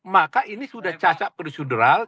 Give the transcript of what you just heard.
maka ini sudah cacat prosedural